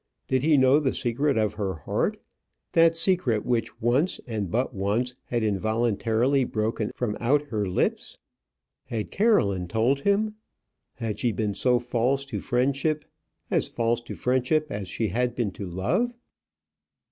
Did he know the secret of her heart; that secret which once and but once had involuntarily broken from out her lips? Had Caroline told him? Had she been so false to friendship as false to friendship as she had been to love?